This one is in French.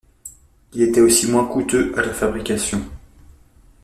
Il était aussi moins coûteux à la fabrication.